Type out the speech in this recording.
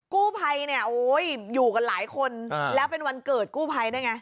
กู้ไพรอยู่กับหลายคนแล้วเป็นวันเกิดกู้ไพรได้ไหม